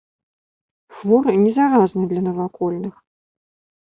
Хворы не заразны для навакольных.